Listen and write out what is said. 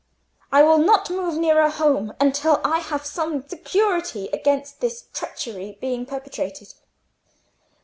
"I will not move nearer home until I have some security against this treachery being perpetrated."